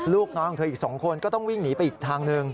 ลูกน้องของเธออีก๒คนก็ต้องวิ่งหนีไปอีกทางหนึ่ง